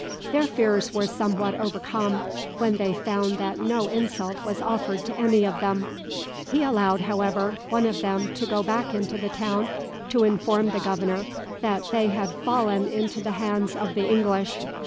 Their fears were somewhat overcome when they found that no insult was offered to any of them. He allowed, however, one of them to go back into the town to inform the governor that they had fallen into the hands of the English.